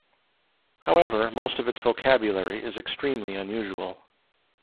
However, most of its vocabulary is extremely unusual.